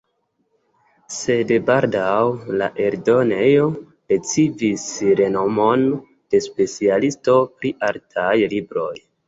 Sed baldaŭ la eldonejo ricevis renomon de specialisto pri artaj libroj.